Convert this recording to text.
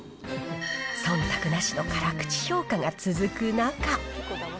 そんたくなしの辛口評価が続く中。